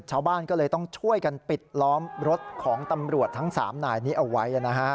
ชาวบ้านก็เลยต้องช่วยกันปิดล้อมรถของตำรวจทั้ง๓นายนี้เอาไว้